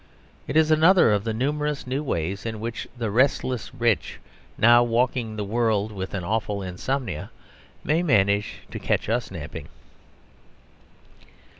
It is another of the numerous new ways in which the restless rich, now walking the world with an awful insomnia, may manage to catch us napping.